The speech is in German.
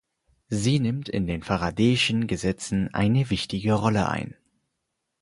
Sie nimmt in den Faradayschen Gesetzen eine wichtige Rolle ein.